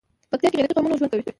پکتيا کې غيرتي قومونه ژوند کوي.